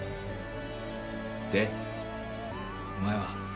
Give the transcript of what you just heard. でお前は？